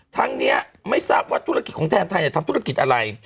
ทั้งนี้ไม่ทราบว่าธุรกิจของแทนไทยทำธุรกิจอะไร